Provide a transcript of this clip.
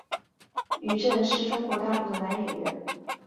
于震是中国大陆的男演员。